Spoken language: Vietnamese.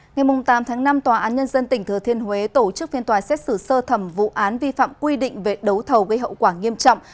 ngày tám tháng năm tòa án nhân dân tỉnh thừa thiên huế tổ chức phiên tòa xét xử sơ thẩm vụ án vi phạm quy định về đấu thầu gây hậu quả nghiêm trọng